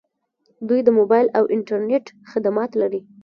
دوی د موبایل او انټرنیټ خدمات لري.